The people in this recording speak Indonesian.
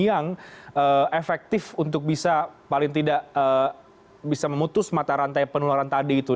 yang efektif untuk bisa paling tidak bisa memutus mata rantai penularan tadi itu